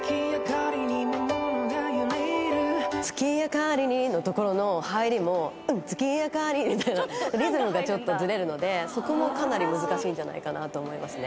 「月灯りに」の所の入りも「月灯り」みたいなリズムがちょっとズレるのでそこもかなり難しいんじゃないかなと思いますね